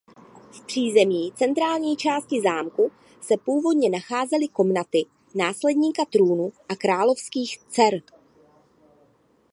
V přízemí centrální části zámku se původně nacházely komnaty následníka trůnu a králových dcer.